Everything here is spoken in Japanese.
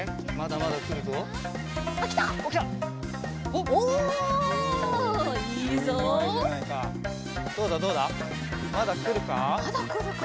まだくるか？